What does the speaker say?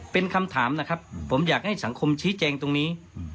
เป็นคำถามนะครับผมอยากให้สังคมชี้แจงตรงนี้